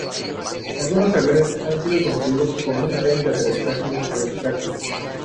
Algunos aviones han sido construidos con un tren de aterrizaje retráctil.